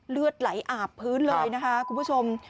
เลือดไหลอาบพื้นเลยนะคะคุณผู้ชม